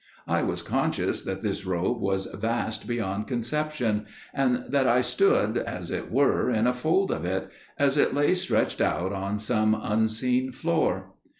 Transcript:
I was conscious that this robe was vast beyond conception, and that I stood as it were in a fold of it, as it lay stretched out on some unseen floor.